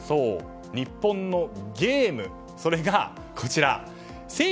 日本のゲーム、それがこちら。